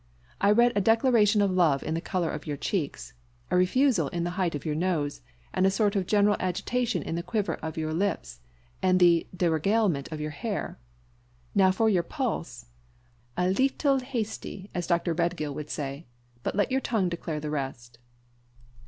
I read a declaration of love in the colour of your cheeks a refusal in the height of your nose and a sort of general agitation in the quiver of your lip and the déréglement of your hair. Now for your pulse a leettle hasty, as Dr. Redgill would say; but let your tongue declare the rest."